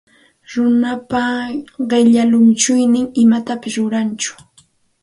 Runapa qilla llunchuynin imatapis rurantsu.